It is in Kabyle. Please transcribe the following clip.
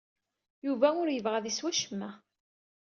Yuba ur yebɣi ad isew acemma.